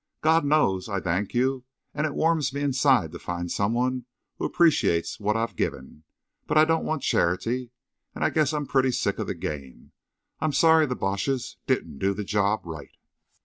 "God knows I thank you and it warms me inside to find some one who appreciates what I've given. But I don't want charity.... And I guess I'm pretty sick of the game. I'm sorry the Boches didn't do the job right."